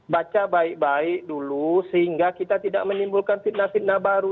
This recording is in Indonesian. baca baik baik dulu sehingga kita tidak menimbulkan fitnah fitnah baru